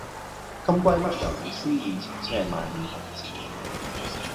金龜嘜魷魚絲以前只係買五毫子